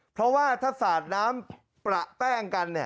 เพราะว่าถ้าสาดน้ำประแป้งกัน